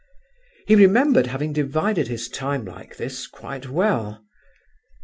He remembered having divided his time like this quite well.